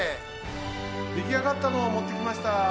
できあがったのをもってきました。